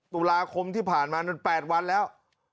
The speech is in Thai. ๑๖ธุระคมที่ผ่านมา๘วันแล้ว